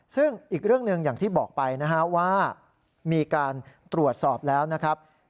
ซึ่งอีกเรื่องหนึ่งอย่างที่บอกไปนะฮะว่ามีการตรวจสอบแล้วนะครับ